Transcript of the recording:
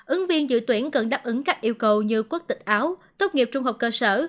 ứng viên dự tuyển cần đáp ứng các yêu cầu như quốc tịch áo tốt nghiệp trung học cơ sở